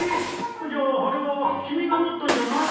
じゃああれは君が縫ったんじゃないのか。